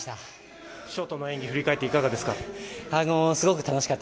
ショートの演技を振り返っていかがですか。